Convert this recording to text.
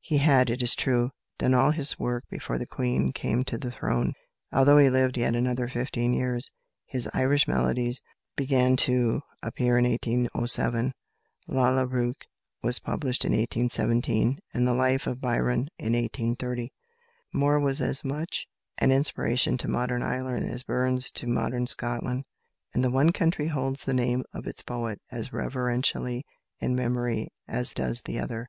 He had, it is true, done all his work before the Queen came to the throne, although he lived yet another fifteen years. His "Irish Melodies" began to appear in 1807, "Lalla Rookh" was published in 1817, and the "Life of Byron" in 1830. Moore was as much an inspiration to modern Ireland as Burns to modern Scotland, and the one country holds the name of its poet as reverentially in memory as does the other.